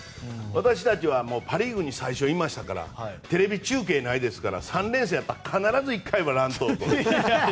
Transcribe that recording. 私たちはパ・リーグに最初いましたからテレビ中継はないですから３連戦があったら必ず１回は乱闘と。